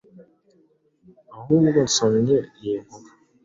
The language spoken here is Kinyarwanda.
ahubwo nsomye iyinkuru